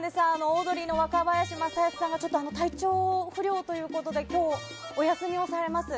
オードリーの若林正恭さんが体調不良ということで今日、お休みをされます。